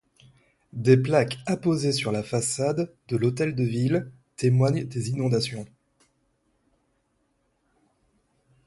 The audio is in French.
Des plaques, apposées sur la façade de l'hôtel de ville, témoignent des inondations.